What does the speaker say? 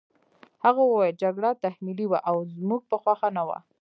هغه وویل جګړه تحمیلي وه او زموږ په خوښه نه وه